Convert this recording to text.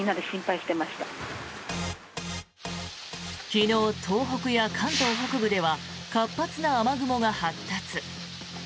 昨日、東北や関東北部では活発な雨雲が発達。